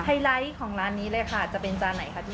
ไลท์ของร้านนี้เลยค่ะจะเป็นจานไหนคะพี่